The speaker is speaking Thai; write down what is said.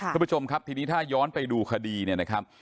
คุณผู้ชมครับทีนี้ถ้าย้อนไปดูคดีเนี่ยนะครับ